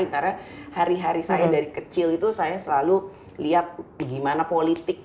karena hari hari saya dari kecil itu saya selalu lihat gimana politik